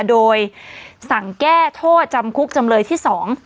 โดยสั่งแก้โทษจำคุกจำเลยที่สอง